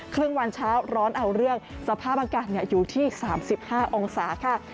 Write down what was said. ครึ่งวันเช้าร้อนเอาเรื่องสภาพอากาศอยู่ที่๓๕องศาค่ะ